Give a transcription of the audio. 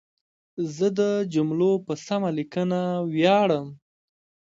زه د جملو په سمه لیکنه ویاړم.